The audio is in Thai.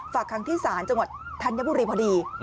คังที่ศาลจังหวัดธัญบุรีพอดี